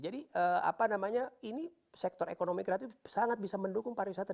apa namanya ini sektor ekonomi kreatif sangat bisa mendukung pariwisata